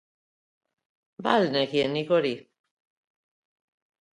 Ba al nekien nik hori?